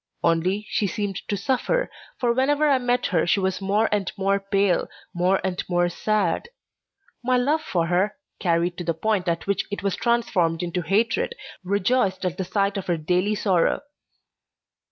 Only, she seemed to suffer, for whenever I met her she was more and more pale, more and more sad. My love for her, carried to the point at which it was transformed into hatred, rejoiced at the sight of her daily sorrow.